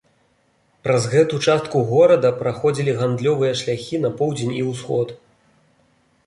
Праз гэту частку горада праходзілі гандлёвыя шляхі на поўдзень і ўсход.